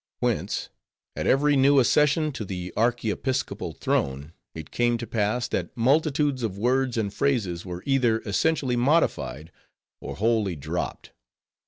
Whence, at every new accession to the archiepiscopal throne, it came to pass, that multitudes of words and phrases were either essentially modified, or wholly dropped.